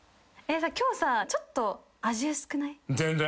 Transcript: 今日さちょっと味薄くない？